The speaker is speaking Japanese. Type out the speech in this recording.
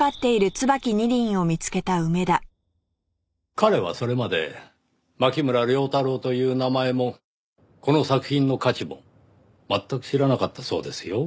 彼はそれまで牧村遼太郎という名前もこの作品の価値も全く知らなかったそうですよ。